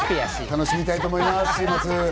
楽しみたいと思います、週末。